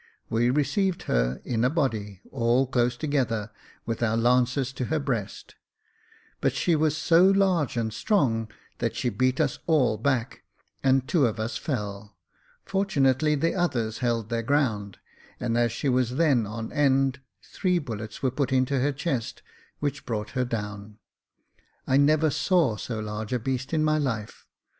We received her in a body, all close together, with our lances to her breast ; but she was so large and strong, that she beat us all back, and two of us fell ; fortunately the others held their ground, and as she was then on end, three bullets were put into her chest, which brought her down. I never saw so large a beast in my life.